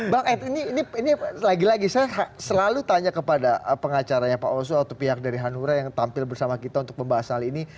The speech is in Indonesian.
bang ed ini lagi lagi saya selalu tanya kepada pengacaranya pak oso atau pihak dari hanura yang tampil bersama kita untuk membahas hal ini